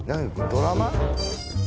ドラマー？